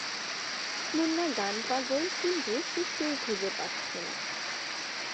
মুন্না গান পাগল, কিন্তু সে সুর খুঁজে পাচ্ছে না।